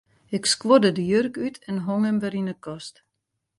Ik skuorde de jurk út en hong him wer yn 'e kast.